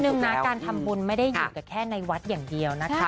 หนึ่งนะการทำบุญไม่ได้อยู่กับแค่ในวัดอย่างเดียวนะคะ